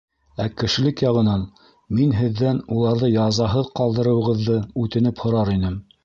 Ә кешелек яғынан мин һеҙҙән уларҙы язаһыҙ ҡалдырыуығыҙҙы үтенеп һорар инем.